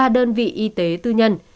ba đơn vị y tế tư nhân